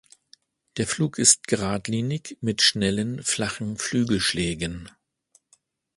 Der Flug ist gradlinig, mit schnellen, flachen Flügelschlägen.